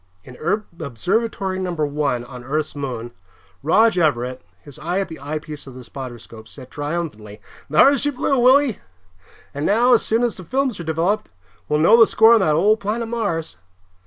In Observatory No. 1 on Earth's moon, Rog Everett, his eye at the eyepiece of the spotter scope, said triumphantly, "Thar she blew, Willie. And now, as soon as the films are developed, we'll know the score on that old planet Mars."